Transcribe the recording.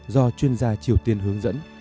do chuyên gia triều tiên hướng dẫn